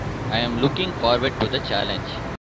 I am looking forward to the challenge.